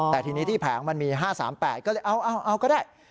แต่ทีนี้ที่แผงมันมี๕๓๘ก็เลยเอาก็ได้